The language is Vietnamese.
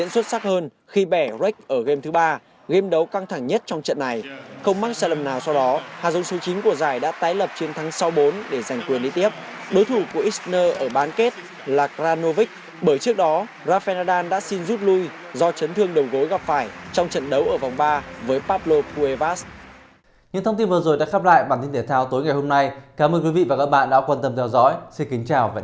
xin chào và hẹn gặp lại